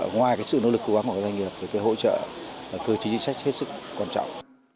ngoài sự nỗ lực cố gắng của các doanh nghiệp thì hỗ trợ cơ chế chính sách hết sức quan trọng